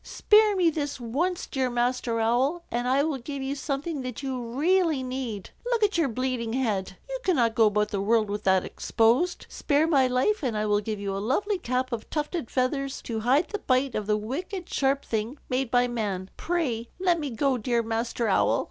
Spare me this once, dear Master Owl, and I will give you something that you really need. Look at your bleeding head. You cannot go about the world with that exposed. Spare my life, and I will give you a lovely cap of tufted feathers to hide the bite of the wicked sharp thing made by man. Pray, let me go, dear Master Owl."